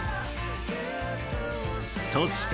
そして。